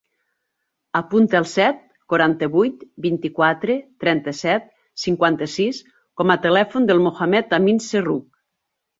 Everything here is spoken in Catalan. Apunta el set, quaranta-vuit, vint-i-quatre, trenta-set, cinquanta-sis com a telèfon del Mohamed amin Serroukh.